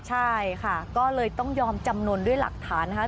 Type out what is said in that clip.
ใช่ค่ะก็เลยต้องยอมจำนวนด้วยหลักฐานนะคะ